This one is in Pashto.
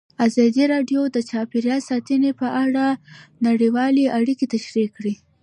ازادي راډیو د چاپیریال ساتنه په اړه نړیوالې اړیکې تشریح کړي.